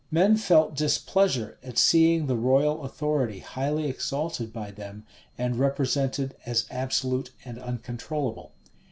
Men felt displeasure at seeing the royal authority highly exalted by them, and represented as absolute and uncontrollable.